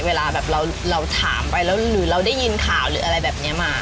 เวลาแบบเราทำไปเราได้ยินข่าวหรืออะไรแบบนี้มา